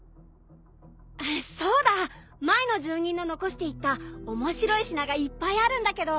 そうだ前の住人の残していった面白い品がいっぱいあるんだけど。